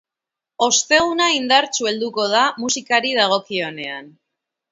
Osteguna indartsu helduko da musikari dagokionean.